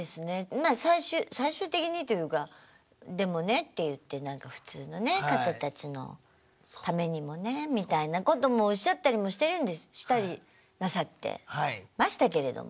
まあ最終最終的にというか「でもね」って言ってなんか普通のね方たちのためにもねみたいなこともおっしゃったりもしてるんですしたりなさってましたけれども。